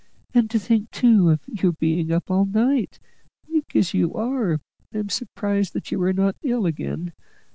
And to think, too, of your being up all night, weak as you are! I am surprised that you are not ill again.